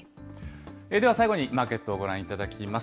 では最後にマーケットをご覧いただきます。